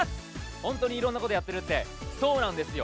本当にいろんなことをやってるってそうなんですよ。